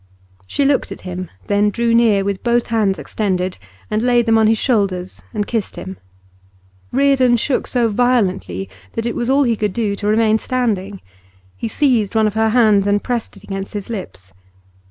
She looked at him, then drew near with both hands extended, and laid them on his shoulders, and kissed him. Reardon shook so violently that it was all he could do to remain standing; he seized one of her hands, and pressed it against his lips.